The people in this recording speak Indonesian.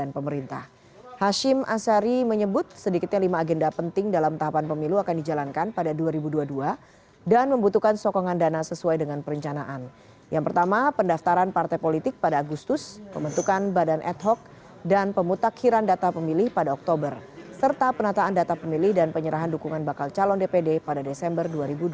pemutak kiraan data pemilih pada oktober serta penataan data pemilih dan penyerahan dukungan bakal calon dpd pada desember dua ribu dua puluh dua